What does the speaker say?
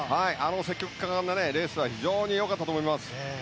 積極果敢なレースはすごく良かったと思います。